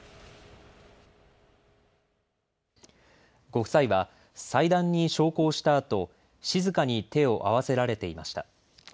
ご夫妻は祭壇に焼香したあと静かに手を合わせられていました。